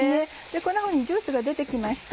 こんなふうにジュースが出て来ました。